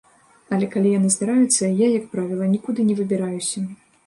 Але калі яны здараюцца, я, як правіла, нікуды не выбіраюся.